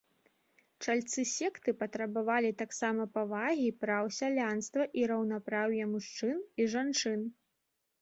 Чальцы секты патрабавалі таксама павагі праў сялянства і раўнапраўя мужчын і жанчын.